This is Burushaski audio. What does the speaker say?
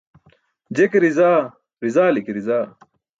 Je ke rizaa, rizali ke rizaa.